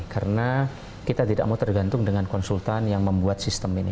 karena kita tidak mau tergantung dengan konsultan yang membuat sistem ini